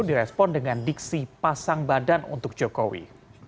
direspon dengan diksi pasang badan untuk jokowi